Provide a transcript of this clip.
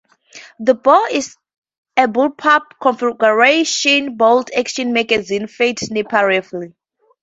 The Bor is a bullpup-configuration bolt-action magazine-fed sniper rifle.